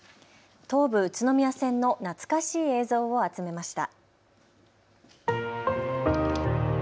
東武宇都宮線の懐かしい映像を集めました。